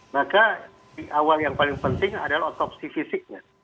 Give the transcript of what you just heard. maka di awal yang paling penting adalah otopsi fisiknya